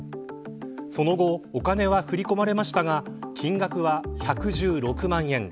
その後お金は振り込まれましたが金額は、１１６万円。